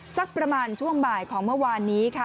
สักประมาณช่วงบ่ายของเมื่อวานนี้ค่ะ